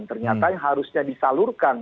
ternyata yang harusnya disalurkan